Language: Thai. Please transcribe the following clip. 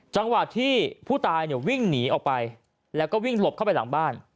จังหวะที่ผู้ตายเนี่ยวิ่งหนีออกไปแล้วก็วิ่งหลบเข้าไปหลังบ้าน